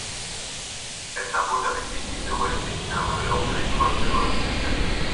Elle s'impose avec l'équipe de relais féminin lors de l'épreuve de Hochfilzen.